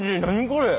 これ。